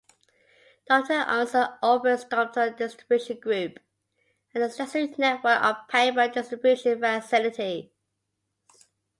Domtar owns and operates Domtar Distribution Group, an extensive network of paper distribution facilities.